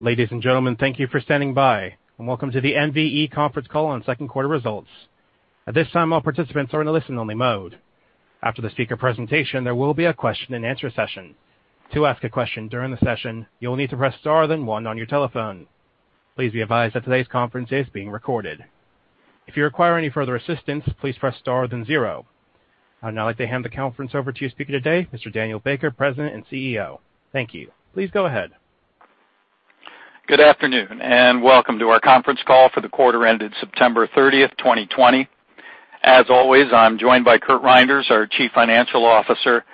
Ladies and gentlemen, thank you for standing by, and welcome to the NVE conference call on second quarter results. At this time, all participants are in a listen-only mode. After the speaker presentation, there will be a question and answer session. To ask a question during the session, you will need to press star then one on your telephone. Please be advised that today's conference is being recorded. If you require any further assistance, please press star then zero. I'd now like to hand the conference over to your speaker today, Mr. Daniel Baker, President and CEO. Thank you. Please go ahead. Good afternoon, and welcome to our conference call for the quarter ended September 30th, 2020. As always, I'm joined by Curt Reynders, our Chief Financial Officer.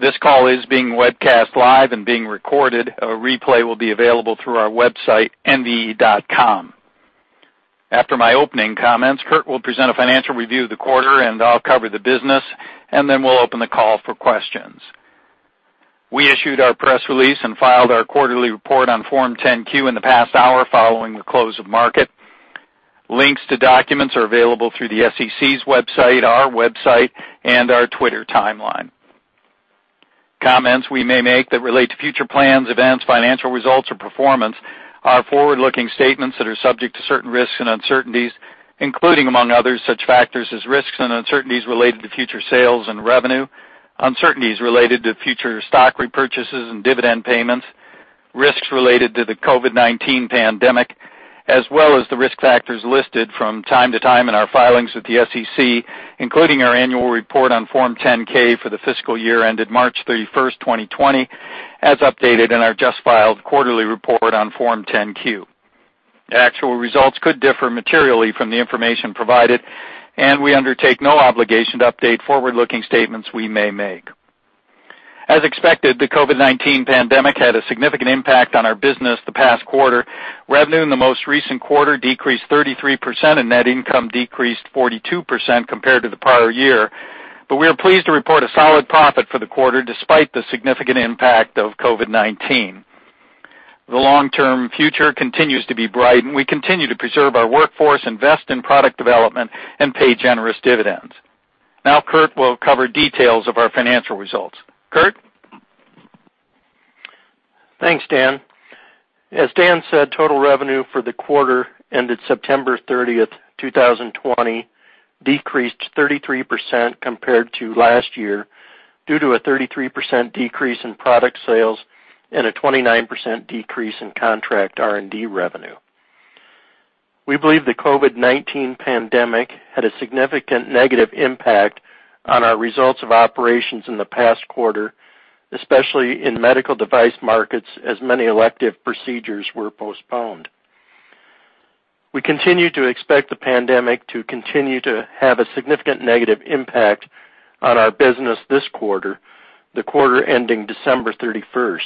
This call is being webcast live and being recorded. A replay will be available through our website, nve.com. After my opening comments, Curt will present a financial review of the quarter. I'll cover the business, then we'll open the call for questions. We issued our press release and filed our quarterly report on Form 10-Q in the past hour following the close of market. Links to documents are available through the SEC's website, our website, and our Twitter timeline. Comments we may make that relate to future plans, events, financial results, or performance are forward-looking statements that are subject to certain risks and uncertainties, including, among others, such factors as risks and uncertainties related to future sales and revenue, uncertainties related to future stock repurchases and dividend payments, risks related to the COVID-19 pandemic, as well as the risk factors listed from time to time in our filings with the SEC, including our annual report on Form 10-K for the fiscal year ended March 31st, 2020, as updated in our just-filed quarterly report on Form 10-Q. Actual results could differ materially from the information provided, and we undertake no obligation to update forward-looking statements we may make. As expected, the COVID-19 pandemic had a significant impact on our business the past quarter. Revenue in the most recent quarter decreased 33%, and net income decreased 42% compared to the prior year. We are pleased to report a solid profit for the quarter, despite the significant impact of COVID-19. The long-term future continues to be bright, and we continue to preserve our workforce, invest in product development, and pay generous dividends. Now Curt will cover details of our financial results. Curt? Thanks, Dan. As Dan said, total revenue for the quarter ended September 30th, 2020 decreased 33% compared to last year due to a 33% decrease in product sales and a 29% decrease in contract R&D revenue. We believe the COVID-19 pandemic had a significant negative impact on our results of operations in the past quarter, especially in medical device markets, as many elective procedures were postponed. We continue to expect the pandemic to continue to have a significant negative impact on our business this quarter, the quarter ending December 31st.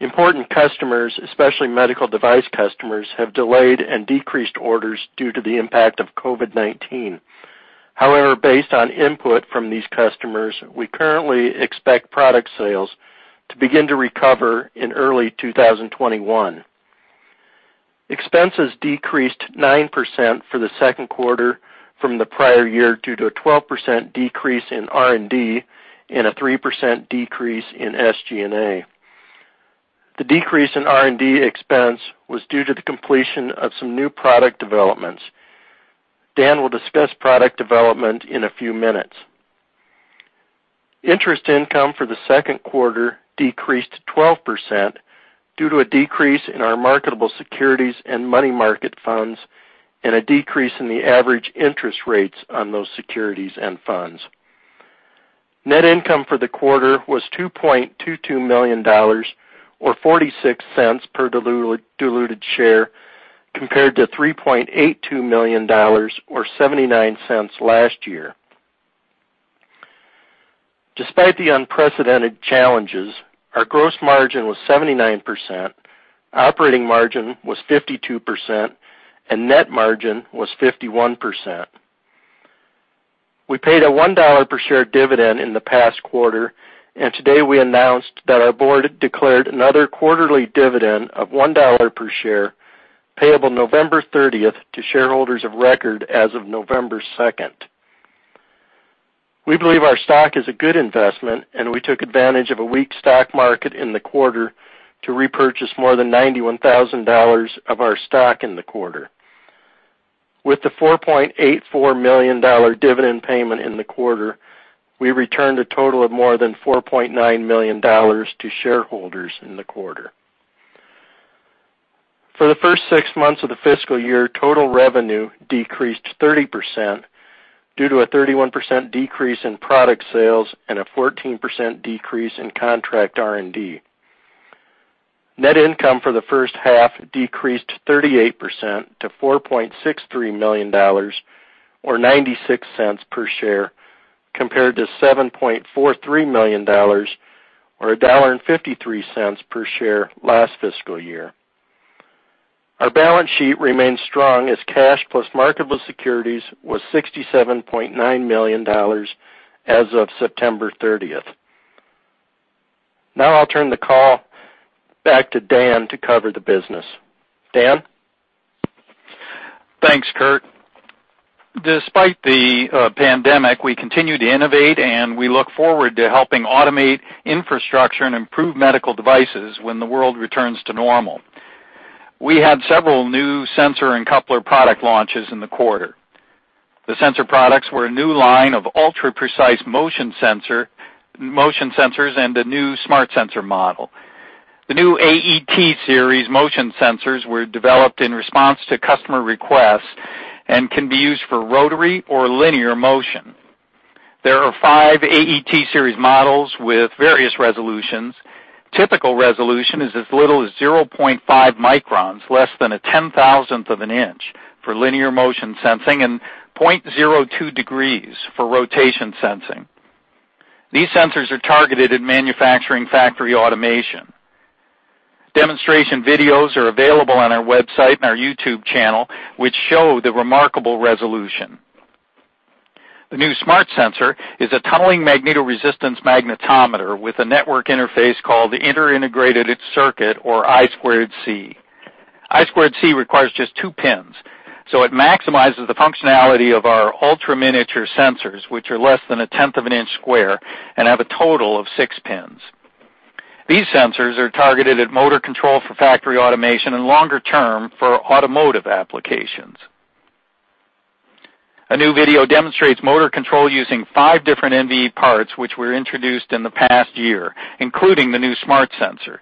Important customers, especially medical device customers, have delayed and decreased orders due to the impact of COVID-19. However, based on input from these customers, we currently expect product sales to begin to recover in early 2021. Expenses decreased 9% for the second quarter from the prior year due to a 12% decrease in R&D and a 3% decrease in SG&A. The decrease in R&D expense was due to the completion of some new product developments. Dan will discuss product development in a few minutes. Interest income for the second quarter decreased 12% due to a decrease in our marketable securities and money market funds and a decrease in the average interest rates on those securities and funds. Net income for the quarter was $2.22 million, or $0.46 per diluted share, compared to $3.82 million or $0.79 last year. Despite the unprecedented challenges, our gross margin was 79%, operating margin was 52%, and net margin was 51%. We paid a $1 per share dividend in the past quarter, and today we announced that our board declared another quarterly dividend of $1 per share, payable November 30th to shareholders of record as of November 2nd. We believe our stock is a good investment, and we took advantage of a weak stock market in the quarter to repurchase more than $91,000 of our stock in the quarter. With the $4.84 million dividend payment in the quarter, we returned a total of more than $4.9 million to shareholders in the quarter. For the first six months of the fiscal year, total revenue decreased 30% due to a 31% decrease in product sales and a 14% decrease in contract R&D. Net income for the first half decreased 38% to $4.63 million, or $0.96 per share, compared to $7.43 million, or $1.53 per share, last fiscal year. Our balance sheet remains strong, as cash plus marketable securities was $67.9 million as of September 30th. Now I'll turn the call back to Dan to cover the business. Dan? Thanks, Curt. Despite the pandemic, we continue to innovate, and we look forward to helping automate infrastructure and improve medical devices when the world returns to normal. We had several new sensor and coupler product launches in the quarter. The sensor products were a new line of ultra-precise motion sensors, and a new smart sensor model. The new AET-Series motion sensors were developed in response to customer requests and can be used for rotary or linear motion. There are five AET-Series models with various resolutions. Typical resolution is as little as 0.5 microns, less than a 10,000th of an inch for linear motion sensing, and 0.02 degrees for rotation sensing. These sensors are targeted at manufacturing factory automation. Demonstration videos are available on our website and our YouTube channel, which show the remarkable resolution. The new smart sensor is a tunneling magnetoresistance magnetometer with a network interface called the Inter-Integrated Circuit, or I²C. I²C requires just two pins, so it maximizes the functionality of our ultra-miniature sensors, which are less than a 10th of an inch square and have a total of six pins. These sensors are targeted at motor control for factory automation and longer-term for automotive applications. A new video demonstrates motor control using five different NVE parts, which were introduced in the past year, including the new smart sensor.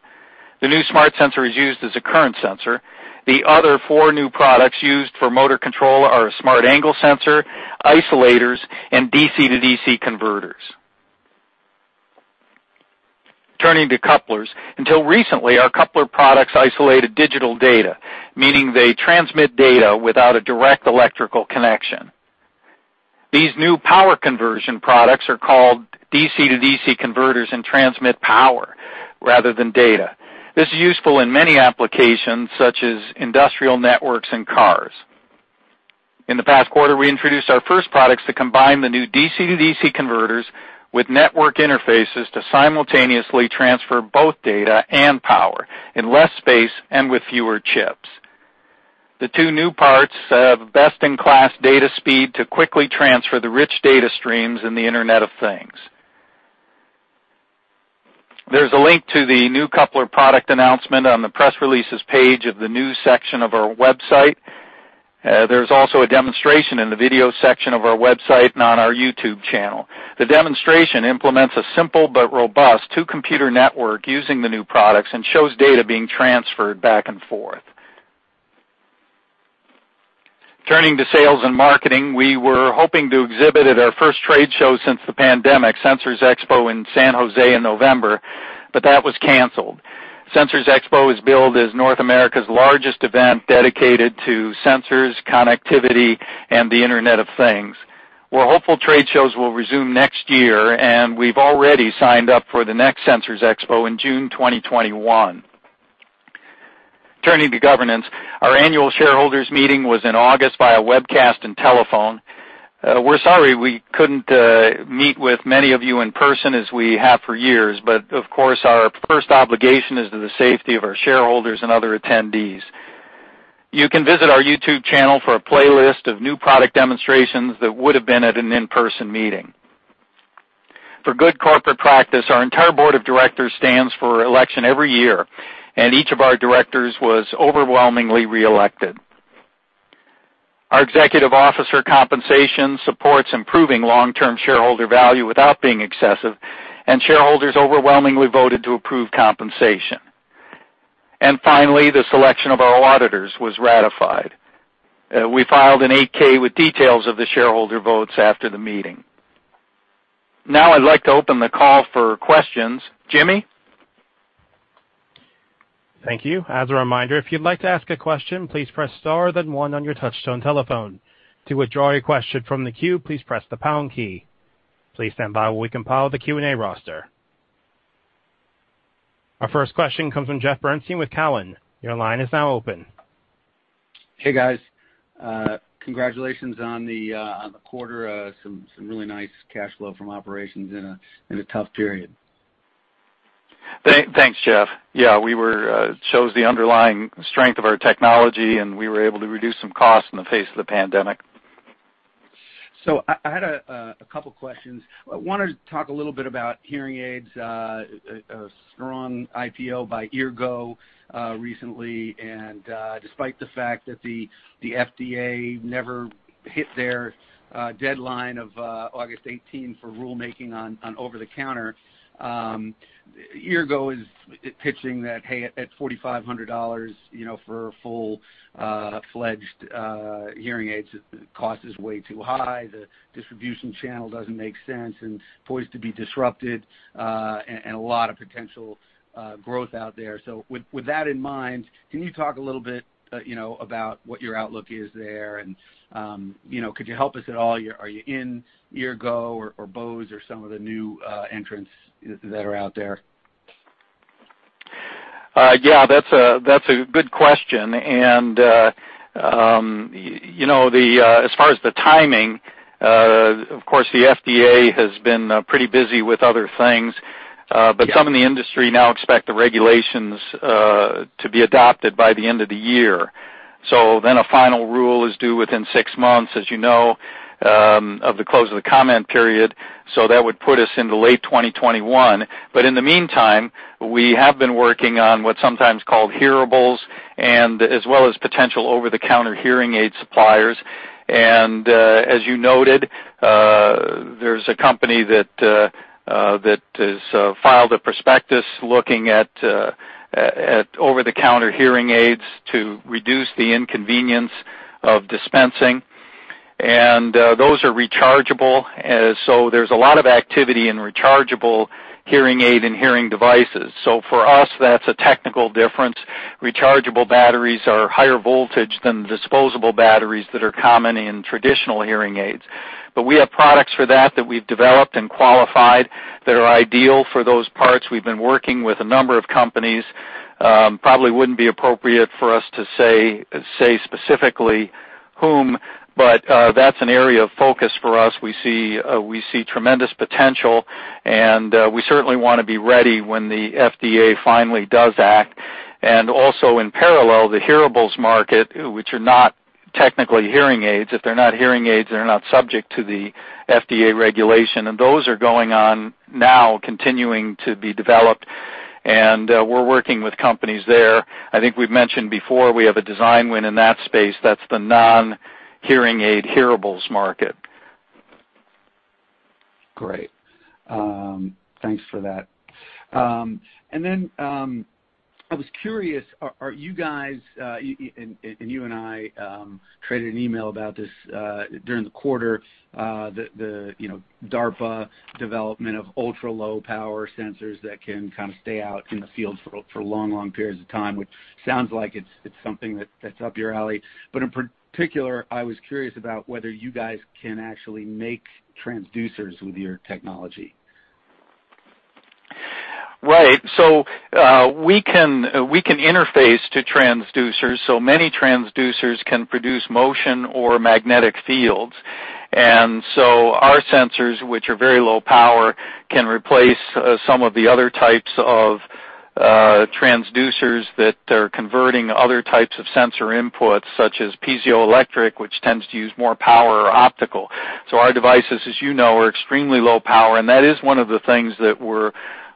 The new smart sensor is used as a current sensor. The other four new products used for motor control are a smart angle sensor, isolators, and DC-to-DC converters. Turning to couplers, until recently, our coupler products isolated digital data, meaning they transmit data without a direct electrical connection. These new power conversion products are called DC-to-DC converters and transmit power rather than data. This is useful in many applications, such as industrial networks and cars. In the past quarter, we introduced our first products to combine the new DC-to-DC converters with network interfaces to simultaneously transfer both data and power in less space and with fewer chips. The two new parts have best-in-class data speed to quickly transfer the rich data streams in the Internet of Things. There's a link to the new coupler product announcement on the press releases page of the news section of our website. There's also a demonstration in the video section of our website and on our YouTube channel. The demonstration implements a simple but robust two-computer network using the new products and shows data being transferred back and forth. Turning to sales and marketing, we were hoping to exhibit at our first trade show since the pandemic, Sensors Expo in San José in November, that was canceled. Sensors Expo is billed as North America's largest event dedicated to sensors, connectivity, and the Internet of Things. We're hopeful trade shows will resume next year, we've already signed up for the next Sensors Expo in June 2021. Turning to governance, our annual shareholders meeting was in August via webcast and telephone. We're sorry we couldn't meet with many of you in person as we have for years, of course, our first obligation is to the safety of our shareholders and other attendees. You can visit our YouTube channel for a playlist of new product demonstrations that would have been at an in-person meeting. For good corporate practice, our entire board of directors stands for election every year, and each of our directors was overwhelmingly reelected. Shareholders overwhelmingly voted to approve compensation. Finally, the selection of our auditors was ratified. We filed an 8-K with details of the shareholder votes after the meeting. Now I'd like to open the call for questions. Jimmy? Thank you. Our first question comes from Jeff Bernstein with Cowen. Your line is now open. Hey, guys. Congratulations on the quarter. Some really nice cash flow from operations in a tough period. Thanks, Jeff. Yeah, it shows the underlying strength of our technology, and we were able to reduce some costs in the face of the pandemic. I had a couple questions. I wanted to talk a little bit about hearing aids, a strong IPO by Eargo recently. Despite the fact that the FDA never hit their deadline of August 18th for rulemaking on over-the-counter, Eargo is pitching that, hey, at $4,500 for full-fledged hearing aids, the cost is way too high, the distribution channel doesn't make sense, and poised to be disrupted, and a lot of potential growth out there. With that in mind, can you talk a little bit about what your outlook is there, and could you help us at all? Are you in Eargo or Bose or some of the new entrants that are out there? That's a good question. As far as the timing, of course, the FDA has been pretty busy with other things. Some in the industry now expect the regulations to be adopted by the end of the year. A final rule is due within six months, as you know, of the close of the comment period. That would put us into late 2021. In the meantime, we have been working on what's sometimes called hearables, as well as potential over-the-counter hearing aid suppliers. As you noted, there's a company that has filed a prospectus looking at over-the-counter hearing aids to reduce the inconvenience of dispensing. Those are rechargeable. There's a lot of activity in rechargeable hearing aid and hearing devices. For us, that's a technical difference. Rechargeable batteries are higher voltage than disposable batteries that are common in traditional hearing aids. We have products for that that we've developed and qualified that are ideal for those parts. We've been working with a number of companies. Probably wouldn't be appropriate for us to say specifically whom, that's an area of focus for us. We see tremendous potential, we certainly want to be ready when the FDA finally does act. Also in parallel, the hearables market, which are not technically hearing aids. If they're not hearing aids, they're not subject to the FDA regulation, those are going on now, continuing to be developed. We're working with companies there. I think we've mentioned before, we have a design win in that space. That's the non-hearing aid hearables market. Great. Thanks for that. I was curious, are you guys, and you and I traded an email about this during the quarter, the DARPA development of ultra-low power sensors that can kind of stay out in the field for long periods of time, which sounds like it's something that's up your alley. In particular, I was curious about whether you guys can actually make transducers with your technology. Right. We can interface to transducers. Many transducers can produce motion or magnetic fields. Our sensors, which are very low power, can replace some of the other types of transducers that are converting other types of sensor inputs, such as piezoelectric, which tends to use more power, or optical. Our devices, as you know, are extremely low power, and that is one of the things that we're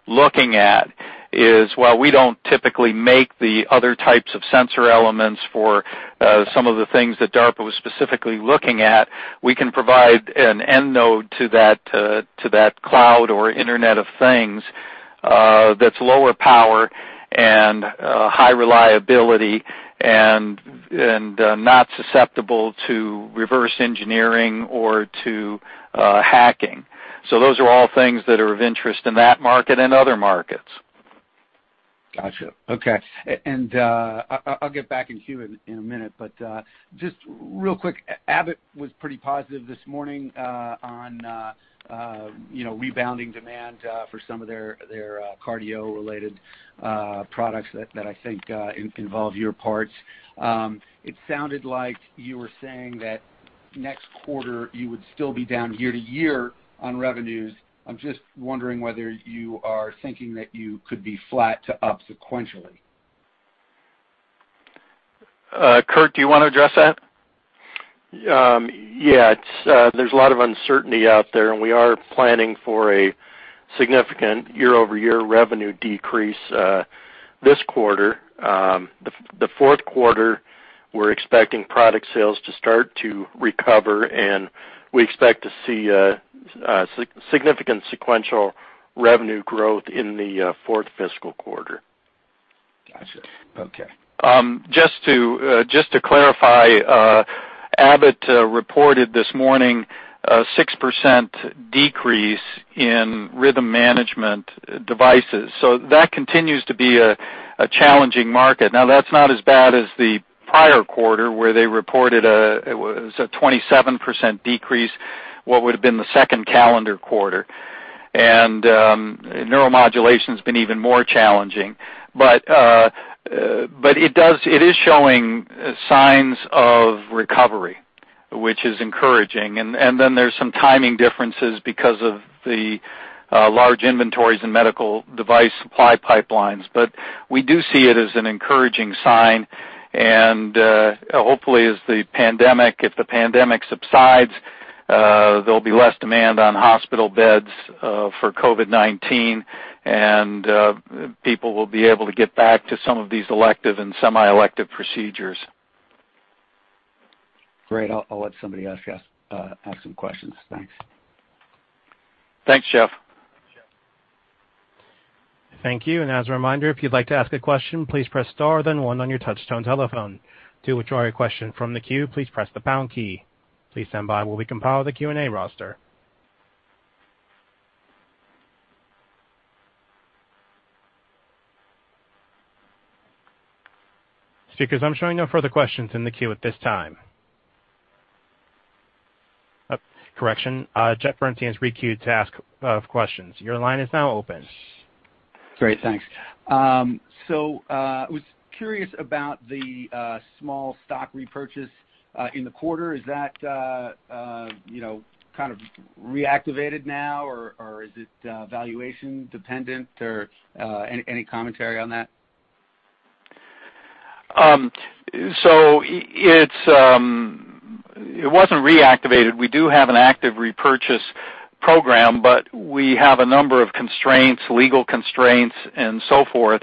looking at is, while we don't typically make the other types of sensor elements for some of the things that DARPA was specifically looking at, we can provide an end node to that cloud or Internet of Things that's lower power and high reliability and not susceptible to reverse engineering or to hacking. Those are all things that are of interest in that market and other markets. Got you. Okay. I'll get back to you in a minute, but just real quick, Abbott was pretty positive this morning on rebounding demand for some of their cardio-related products that I think involve your parts. It sounded like you were saying that next quarter you would still be down year-to-year on revenues. I'm just wondering whether you are thinking that you could be flat to up sequentially. Curt, do you want to address that? Yeah. There's a lot of uncertainty out there, and we are planning for a significant year-over-year revenue decrease this quarter. The fourth quarter, we're expecting product sales to start to recover, and we expect to see significant sequential revenue growth in the fourth fiscal quarter. Got you. Okay. Just to clarify, Abbott reported this morning a 6% decrease in rhythm management devices. That continues to be a challenging market. Now, that's not as bad as the prior quarter where they reported a 27% decrease, what would've been the second calendar quarter. Neuromodulation's been even more challenging. It is showing signs of recovery, which is encouraging. There's some timing differences because of the large inventories in medical device supply pipelines. We do see it as an encouraging sign, and hopefully, if the pandemic subsides, there'll be less demand on hospital beds for COVID-19, and people will be able to get back to some of these elective and semi-elective procedures. Great. I'll let somebody else ask some questions. Thanks. Thanks, Jeff. Thank you. And as a reminder, if you'd like to ask a question, please press star, then one on your touchtone telephone. To withdraw your question from the queue, please press the pound key. Please stand by while we compile the Q&A roster. Speakers, I'm showing no further questions in the queue at this time. Oh, correction. Jeff Bernstein has requeued to ask questions. Your line is now open. Great. Thanks. I was curious about the small stock repurchase in the quarter. Is that kind of reactivated now, or is it valuation dependent, or any commentary on that? It wasn't reactivated. We do have an active repurchase program, but we have a number of constraints, legal constraints and so forth,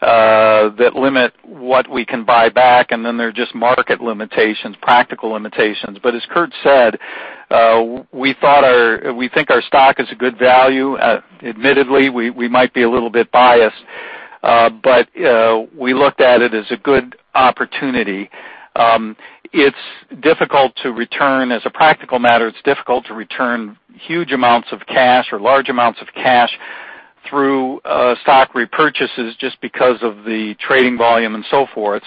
that limit what we can buy back, and then there are just market limitations, practical limitations. As Curt said, we think our stock is a good value. Admittedly, we might be a little bit biased. We looked at it as a good opportunity. As a practical matter, it's difficult to return huge amounts of cash or large amounts of cash through stock repurchases just because of the trading volume and so forth.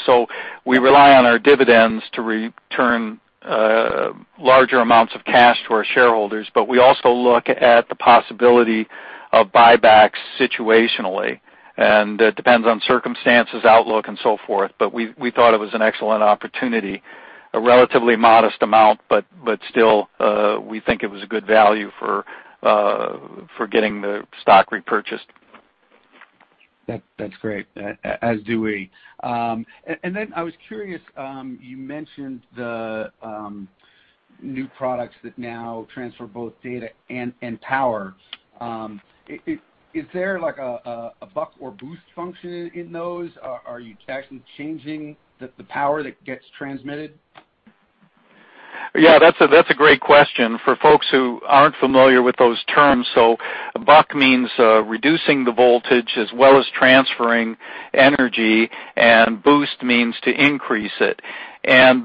We rely on our dividends to return larger amounts of cash to our shareholders. We also look at the possibility of buybacks situationally, and it depends on circumstances, outlook, and so forth. We thought it was an excellent opportunity, a relatively modest amount, but still, we think it was a good value for getting the stock repurchased. That's great. As do we. I was curious, you mentioned the new products that now transfer both data and power. Is there like a buck or boost function in those? Are you actually changing the power that gets transmitted? Yeah, that's a great question. For folks who aren't familiar with those terms, buck means reducing the voltage as well as transferring energy, and boost means to increase it.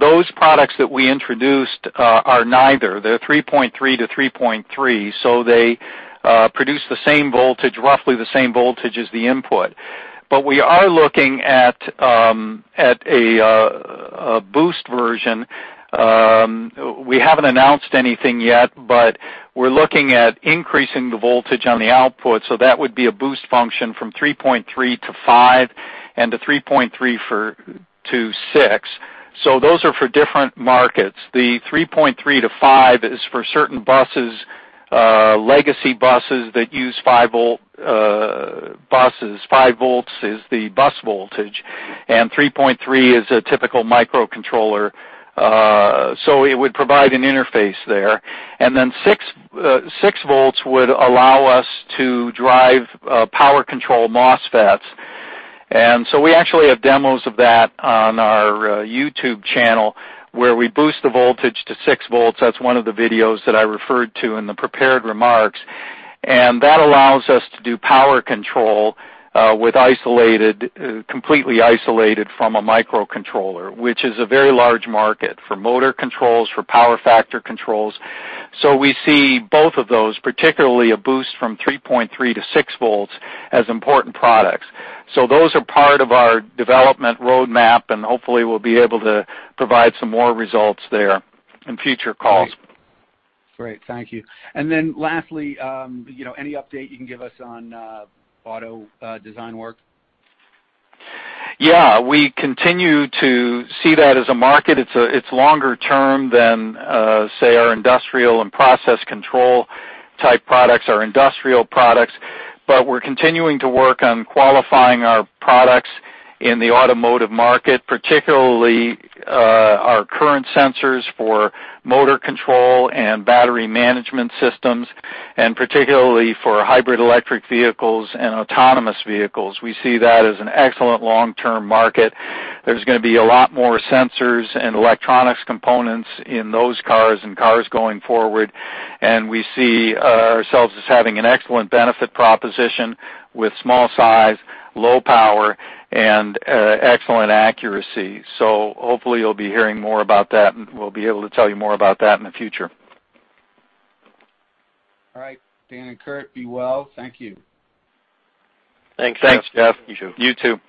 Those products that we introduced are neither. They're 3.3-3.3, they produce roughly the same voltage as the input. We are looking at a boost version. We haven't announced anything yet, we're looking at increasing the voltage on the output, that would be a boost function from 3.3-5 and to 3.3-6. Those are for different markets. The 3.3-5 is for certain buses, legacy buses that use 5 volt buses. 5 volts is the bus voltage, 3.3 is a typical microcontroller. It would provide an interface there. Six volts would allow us to drive power control MOSFETs. We actually have demos of that on our YouTube channel, where we boost the voltage to 6 volts. That's one of the videos that I referred to in the prepared remarks. That allows us to do power control completely isolated from a microcontroller, which is a very large market for motor controls, for power factor controls. We see both of those, particularly a boost from 3.3-6 volts, as important products. Those are part of our development roadmap, and hopefully we'll be able to provide some more results there in future calls. Great. Thank you. Lastly, any update you can give us on auto design work? Yeah, we continue to see that as a market. It's longer term than, say, our industrial and process control type products, our industrial products. We're continuing to work on qualifying our products in the automotive market, particularly our current sensors for motor control and battery management systems, and particularly for hybrid electric vehicles and autonomous vehicles. We see that as an excellent long-term market. There's going to be a lot more sensors and electronics components in those cars and cars going forward, and we see ourselves as having an excellent benefit proposition with small size, low power, and excellent accuracy. Hopefully you'll be hearing more about that, and we'll be able to tell you more about that in the future. All right. Dan and Curt, be well. Thank you. Thanks, Jeff. Thanks, Jeff. You too. You too.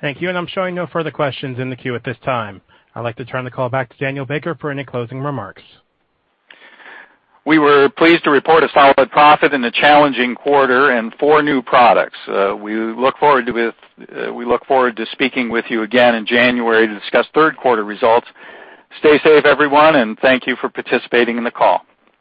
Thank you. I'm showing no further questions in the queue at this time. I'd like to turn the call back to Daniel Baker for any closing remarks. We were pleased to report a solid profit in a challenging quarter and four new products. We look forward to speaking with you again in January to discuss third quarter results. Stay safe, everyone, and thank you for participating in the call.